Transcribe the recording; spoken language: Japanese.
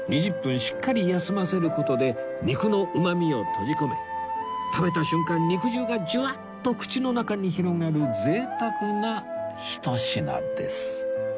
しっかり休ませる事で肉のうまみを閉じ込め食べた瞬間肉汁がジュワッと口の中に広がる贅沢なひと品です